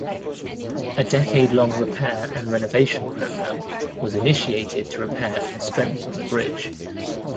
A decade-long repair and renovation programme was initiated to repair and strengthen the bridge.